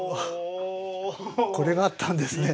これがあったんですね。